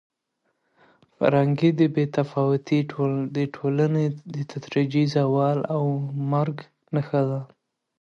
فرهنګي بې تفاوتي د ټولنې د تدریجي زوال او مرګ نښه ده.